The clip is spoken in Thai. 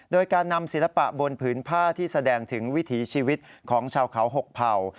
โดยการนำศิลปะบนผืนผ้าที่แสดงถึงวิถีชีวิตของชาวเขาหกเผ่า